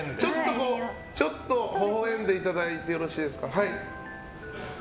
ちょっとほほ笑んでいただいてよろしいですか。